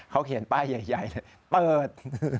เขาเขียนป้ายใหญ่เลยเปิด